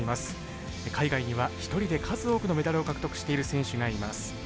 海外には一人で数多くのメダルを獲得している選手がいます。